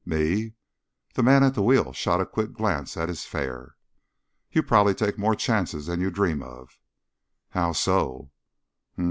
"Me?" The man at the wheel shot a quick glance at his fare. "You probably take more chances than you dream of." "How so?"